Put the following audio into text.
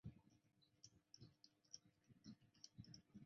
警方人员在早上将另外五个青年带返警署调查。